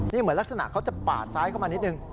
นี่เหมือนลักษณะเขาจะปาดซ้ายเข้ามานิดนึง